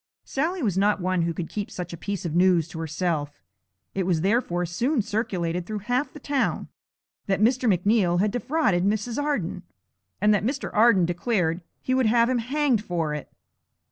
Sally was not one who could keep such a piece of news to herself; it was therefore soon circulated through half the town that Mr. McNeal had defrauded Mrs. Arden, and that Mr. Arden declared he would have him hanged for it.